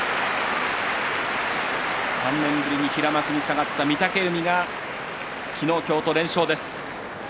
３年ぶりに平幕に下がった御嶽海が昨日、今日と連勝です。